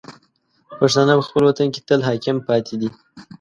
پښتانه په خپل وطن کې تل حاکم پاتې دي.